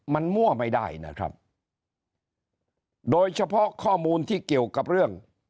มันมั่วไม่ได้นะครับโดยเฉพาะข้อมูลที่เกี่ยวกับเรื่อง